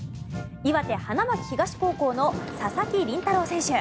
岩手・花巻東高校の佐々木麟太郎選手。